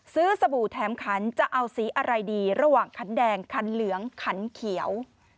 สบู่แถมขันจะเอาสีอะไรดีระหว่างขันแดงขันเหลืองขันเขียว